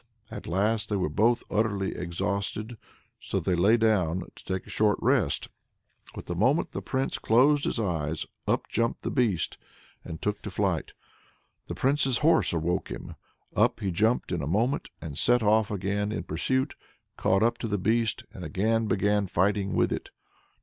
At last they were both utterly exhausted, so they lay down to take a short rest. But the moment the Prince closed his eyes, up jumped the Beast and took to flight. The Prince's horse awoke him; up he jumped in a moment, and set off again in pursuit, caught up the Beast, and again began fighting with it.